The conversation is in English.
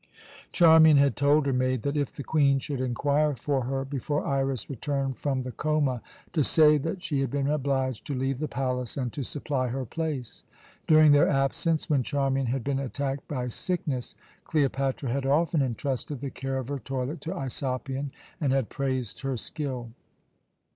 Charmian had told her maid that if the Queen should inquire for her before Iras returned from the Choma to say that she had been obliged to leave the palace, and to supply her place. During their absence, when Charmian had been attacked by sickness, Cleopatra had often entrusted the care of her toilet to Aisopion, and had praised her skill.